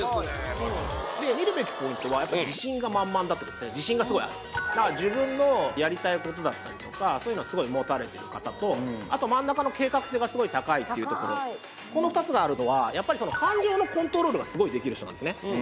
バランスが見るべきポイントはやっぱり自信が満々だってことで自信がすごいあるだから自分のやりたいことだったりとかそういうのをすごい持たれている方とあと真ん中の計画性がすごい高いっていうところこの２つがあるのは感情のコントロールがすごいできる人なんですね